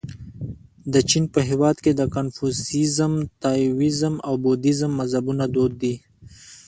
د چین په هېواد کې د کنفوسیزم، تائویزم او بودیزم مذهبونه دود دي.